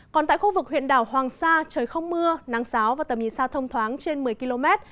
còn tại khu vực huyện đảo hoàng sa trời không mưa nắng sáo và tầm nhìn xa thông thoáng trên một mươi km